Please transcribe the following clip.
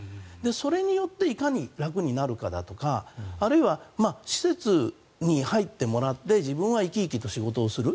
それによっていかに楽になるかだとかあるいは施設に入ってもらって自分は生き生きと仕事をする。